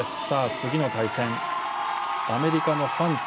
次の対戦、アメリカのハント。